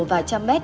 vài trăm mét